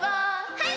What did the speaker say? はい！